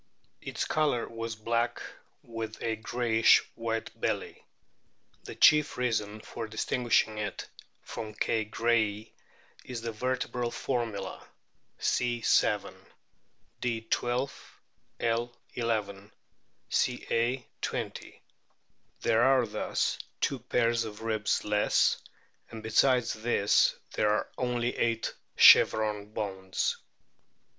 Its colour was black, with a greyish white belly. The chief reason for distinguishing it from K. grayi is the vertebral formula: C. 7; D. 12; L. 11; Ca. 20. There are thus two pairs of ribs less, and besides this there are only eight chevron bones.